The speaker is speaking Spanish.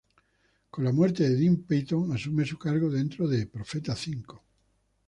Con la muerte de Dean Peyton asume su cargo dentro de Profeta Cinco.